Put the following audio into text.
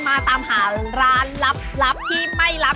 มาตามหาร้านลับที่ไม่รับ